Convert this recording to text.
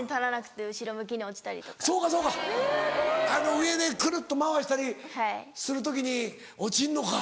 上でくるっと回したりする時に落ちんのか。